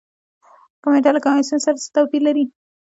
کمیټه له کمیسیون سره څه توپیر لري؟